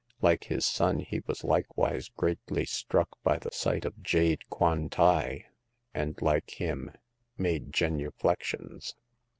Like his son, he was likewise greatly struck by the sight of jade Kwan tai, and, like him, made genuflec tions.